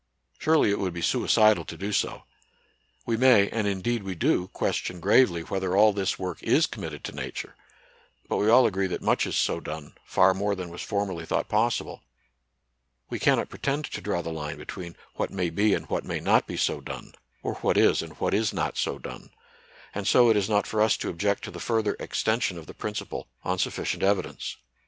Surely it would be sui cidal to do so. We may, and indeed we do, question gravely whether all this work is com mitted to Nature ; but we all agree that much is so done, far more than was formerly thought possible ; we cannot pretend to draw the line between what may be and what may not be so done, or what is and what is not so done ; and so it is not for us to object to the further ex tension of the principle on sufficient evidence.